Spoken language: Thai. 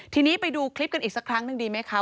ทีนี้ไปดูคลิปกันอีกสักครั้งหนึ่งดีไหมคะ